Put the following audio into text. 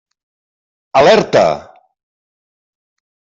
Alerta!